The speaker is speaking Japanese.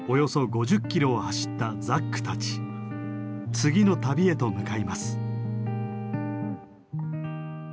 次の旅へと向かいます。